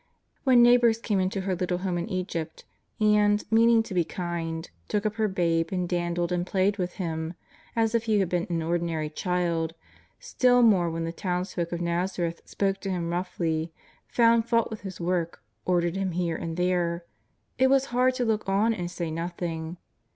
When neighbours came into her little home in Egypt, and, meaning to be kind, took up her Babe and dandled and played with Him as if He had been an ordinary child, still more when the towns folk of Nazareth spoke to Him roughly, found fault with His work, ordered Him here and there, it was hard to look on and say nothing.